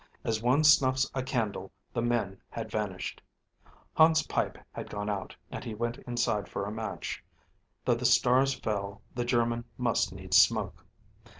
As one snuffs a candle, the men had vanished. Hans' pipe had gone out and he went inside for a match. Though the stars fell, the German must needs smoke.